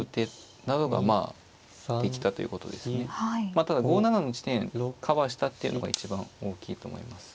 まあただ５七の地点カバーしたっていうのが一番大きいと思います。